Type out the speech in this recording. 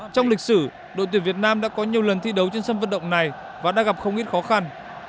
trong lịch sử đội tuyển việt nam đã có nhiều lần thi đấu trên sân vận động này và đã gặp không ít khó khăn